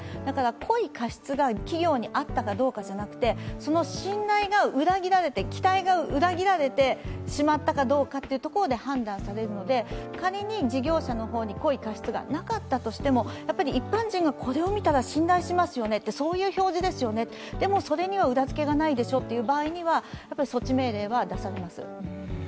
故意、過失が企業にあったかじゃなくてその信頼が裏切られて、期待が裏切られてしまったかどうかというところで判断されるので、仮に事業者に故意・過失がかなったとしても一般人がこれを見たら信頼しますよね、それには裏付けがないでしょうという場合には、措置命令は出されます。